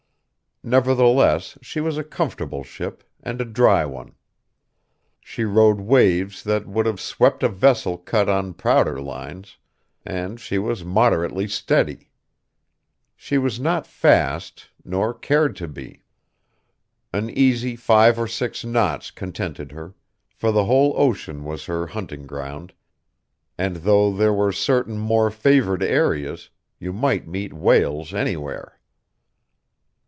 Nevertheless, she was a comfortable ship, and a dry one. She rode waves that would have swept a vessel cut on prouder lines; and she was moderately steady. She was not fast, nor cared to be. An easy five or six knots contented her; for the whole ocean was her hunting ground, and though there were certain more favored areas, you might meet whales anywhere.